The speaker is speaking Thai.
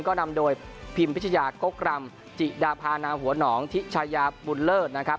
ก็นำโดยพิมพิชยากกรำจิดาพานาหัวหนองทิชายาบุญเลิศนะครับ